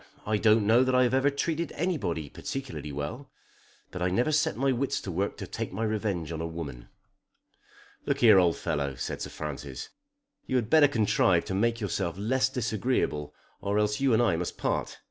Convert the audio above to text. I don't know that I've ever treated anybody particularly well. But I never set my wits to work to take my revenge on a woman." "Look here, old fellow," said Sir Francis. "You had better contrive to make yourself less disagreeable or else you and I must part.